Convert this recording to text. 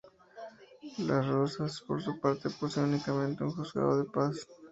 Las Rozas, por su parte, posee únicamente un juzgado de paz.